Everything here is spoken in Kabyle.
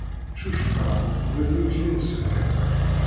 Ccucfeɣ uqbel yimekli n tṣebḥit.